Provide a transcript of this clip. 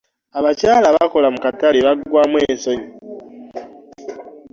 Abakyala abakola mu katale bagwamu ensonyi.